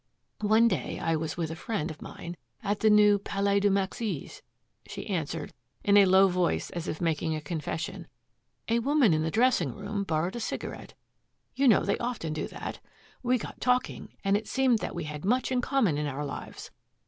"One day I was with a friend of mine at the new Palais de Maxixe," she answered in a low voice as if making a confession. "A woman in the dressing room borrowed a cigarette. You know they often do that. We got talking, and it seemed that we had much in common in our lives.